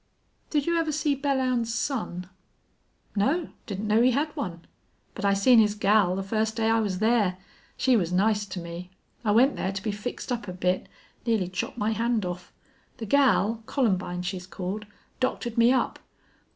"Did you ever see Belllounds's son?" "No. Didn't know he hed one. But I seen his gal the fust day I was thar. She was nice to me. I went thar to be fixed up a bit. Nearly chopped my hand off. The gal Columbine, she's called doctored me up.